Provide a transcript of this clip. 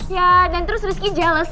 ya dan terus rizky jelas